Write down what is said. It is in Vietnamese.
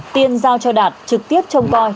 tiên giao cho đạt trực tiếp trông coi